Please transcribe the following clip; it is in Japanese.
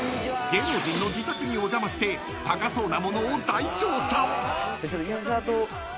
［芸能人の自宅にお邪魔して高そうなものを大調査］